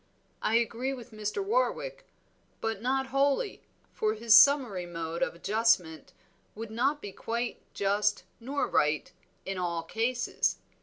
I agree with Mr. Warwick, but not wholly, for his summary mode of adjustment would not be quite just nor right in all cases.